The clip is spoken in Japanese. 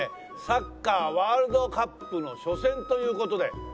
サッカーワールドカップの初戦という事で。